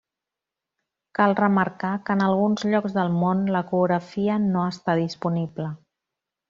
Cal remarcar, que en alguns llocs del món l'ecografia no està disponible.